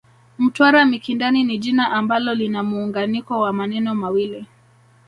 Mtwara Mikindani ni jina ambalo lina muunganiko wa maneno mawili